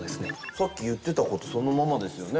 さっき言ってたことそのままですよね。